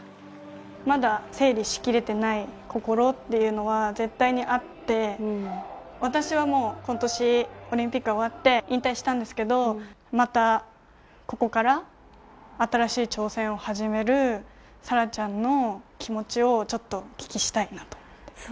まだ整理しきれていない心というのは絶対にあって、私はもう今年、オリンピックが終わって引退したんですけれど、またここから新しい挑戦を始める沙羅ちゃんの気持ちをお聞きしたいなと。